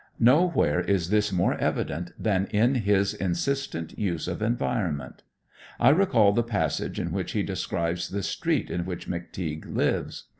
Nowhere is this more evident than in his insistent use of environment. I recall the passage in which he describes the street in which McTeague lives.